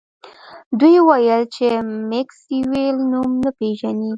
دوی وویل چې میکسویل نوم نه پیژني